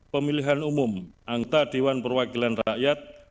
pemilihan umum anggota dewan perwakilan rakyat